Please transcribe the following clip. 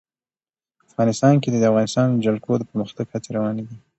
افغانستان کې د د افغانستان جلکو د پرمختګ هڅې روانې دي.